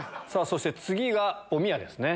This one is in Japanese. そして次がおみやですね。